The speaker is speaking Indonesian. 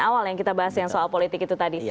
awal yang kita bahas yang soal politik itu tadi